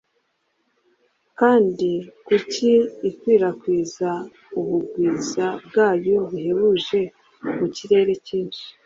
Kandi kuki ikwirakwiza ubwiza bwayo buhebuje mu kirere cyinshi